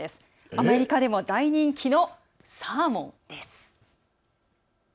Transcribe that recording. アメリカでも大人気のサーモンです。